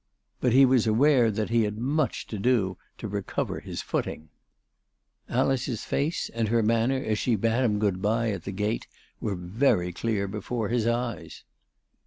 But he was aware that he had much to do to recover his footing. 412 ALICE DUGDALE. Alice's face and her manner as she bade him good bye at the gate were very clear before his eyes.